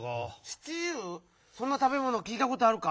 そんなたべものきいたことあるか？